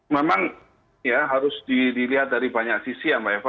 memang ya harus dilihat dari banyak sisi ya mbak eva